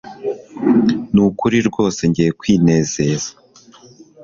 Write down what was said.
Nukuri rwose ngiye kwinezeza